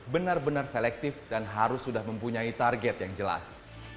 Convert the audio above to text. benar benar selektif dan harus sudah mempunyai target yang jelas